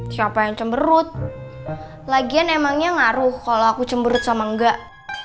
siapa yang cemberut lagian emangnya ngaruh kalau aku cemberut sama enggak